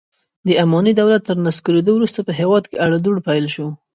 د اماني دولت تر نسکورېدو وروسته په هېواد کې اړو دوړ پیل شو.